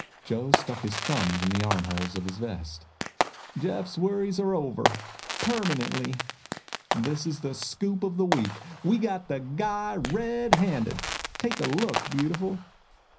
Joe stuck his thumbs in the arm holes of his vest. "Jeff's worries are over, permanently. This is the scoop of the week. We got the guy red handed. Take a look, beautiful."